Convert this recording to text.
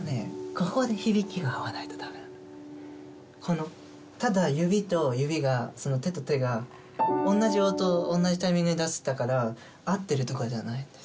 ここで響きが合わないとダメなのこのただ指と指が手と手が同じ音を同じタイミングで出してたから合ってるとかじゃないんです